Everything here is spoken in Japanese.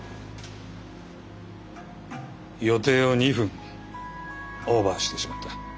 予定を２分オーバーしてしまった。